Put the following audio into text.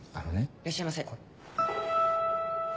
いらっしゃいませ。